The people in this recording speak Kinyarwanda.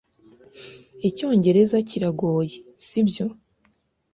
Icyongereza kiragoye, sibyo?